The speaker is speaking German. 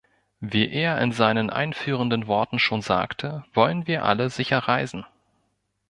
Wie er in seinen einführenden Worten schon sagte, wollen wir alle sicher reisen.